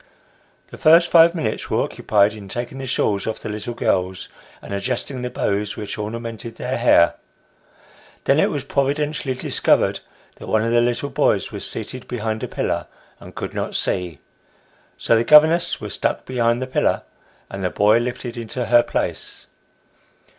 The first five minutes were occupied in taking the shawls off the little girls, and adjusting the bows which ornamented their hair ; then it was providentially discovered that one of the little boys was seated behind a pillar and could not see, so the governess was stuck behind the pillar, and the boy lifted into her place.